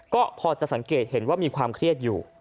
ก็พอจะสังเกตเห็นว่ามีความเครียดอยู่